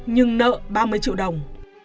nhưng nợ ba mươi triệu đồng